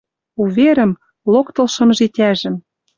Уверӹм, локтылшым житяжӹм.